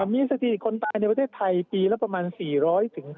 มีสถิติคนตายในประเทศไทยปีละประมาณ๔๐๐